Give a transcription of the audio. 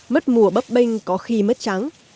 mất mùa bắp bênh có khi mất trắng